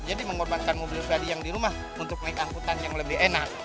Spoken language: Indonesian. jadi mengorbankan mobil pribadi yang di rumah untuk naik angkutan yang lebih enak